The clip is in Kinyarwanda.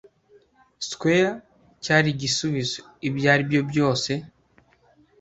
squire? ” cyari igisubizo. “Ibyo ari byo byose,